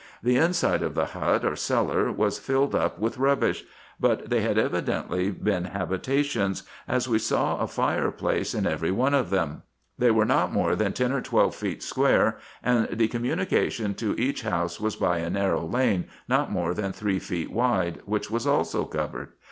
The inside of the hut, or cellar, was filled up with rubbish ; but they had evidently been habitations, 3d 386 RESEARCHES AND OPERATIONS as we saw a fire place in every one of them. They were not more than ten or twelve feet square, and the communication to each house was by a narrow lane, not more than three feet wide, which was also covered.